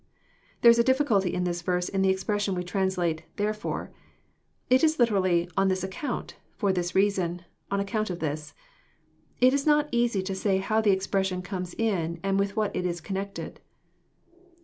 ] There is a difficulty in this verse in the expression we translate " therefore.'* It is literally, " on this account, Tfor this reason,— on account of this." It is not easy to say how the expression comes in, and with what it is connected.